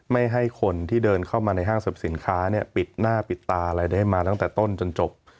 ไม่ให้คนที่เดินเข้ามาในห้างสรรพสินค้าเนี่ยปิดหน้าปิดตาอะไรได้มาตั้งแต่ต้นจนจบ